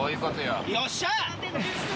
よっしゃ！